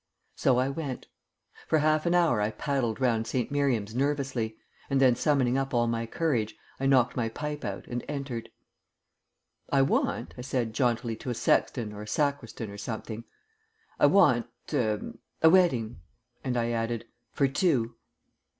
So I went. For half an hour I padded round St. Miriam's nervously, and then summoning up all my courage, I knocked my pipe out and entered. "I want," I said jauntily to a sexton or a sacristan or something "I want er a wedding." And I added, "For two."